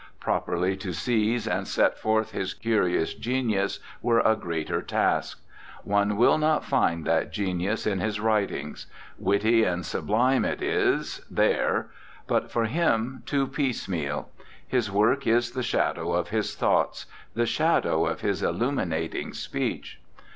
Properly to seize and set forth his curious genius were a greater task. One will not find that genius in his writings. Witty and sublime it is, there; but, for him, too piecemeal. His work is the shadow of his thoughts, the shadow of his illuminating speech.